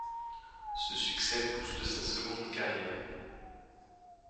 Ce succès booste sa seconde carrière.